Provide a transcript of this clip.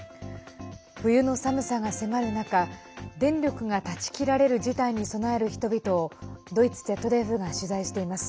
冬の寒さが迫る中電力が断ち切られる事態に備える人々をドイツＺＤＦが取材しています。